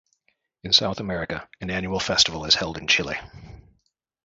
In South America, an annual festival is held in Chile.